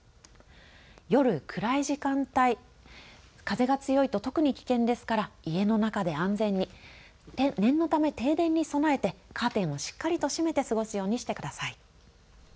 夜、暗い時間帯、風が強いと特に危険ですから家の中で安全に念のため停電に備えてカーテンをしっかりと閉めて過ごすようにしてください。